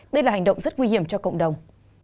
đây là hành động rất nguy hiểm cho cộng đồng